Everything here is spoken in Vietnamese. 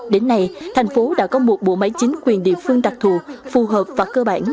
đến nay thành phố đã có một bộ máy chính quyền địa phương đặc thù phù hợp và cơ bản